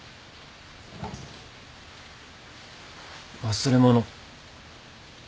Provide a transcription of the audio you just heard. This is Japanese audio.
忘れ物。